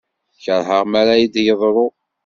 Kerheɣ mara d-yeḍru.